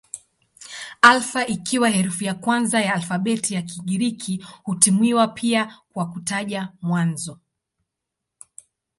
Alfa ikiwa herufi ya kwanza ya alfabeti ya Kigiriki hutumiwa pia kwa kutaja mwanzo.